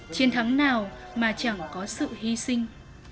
chiến thắng nào mà chẳng có sự hy sinh